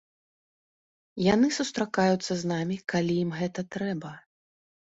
Яны сустракаюцца з намі, калі ім гэта трэба.